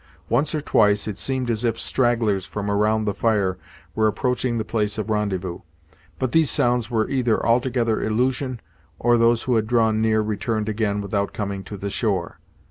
Once or twice, it seemed as if stragglers from around the fire were approaching the place of rendezvous; but these sounds were either altogether illusion, or those who had drawn near returned again without coming to the shore.